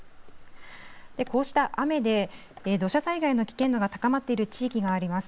こうした雨で土砂災害の危険度が高まっている地域があります。